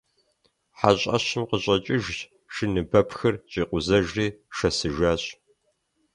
ХьэщӀэщым къыщӀэкӀыжщ, шыныбэпхыр щӀикъузэжри шэсыжащ.